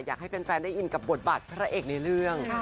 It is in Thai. อยากให้แฟนได้อินกับบทบาทพระเอกในเรื่อง